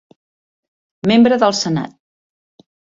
membre del senat.